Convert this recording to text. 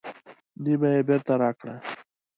نیمه یې بېرته راکړه.